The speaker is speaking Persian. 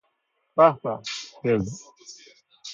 بعبع بز